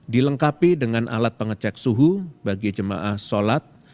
dilengkapi dengan alat pengecek suhu bagi jemaah sholat